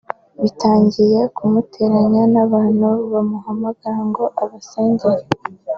bitangiye kunteranya n’abantu bamuhamagara ngo abasengere